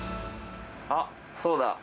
あっ、そうだ。